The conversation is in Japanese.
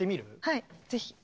はいぜひ。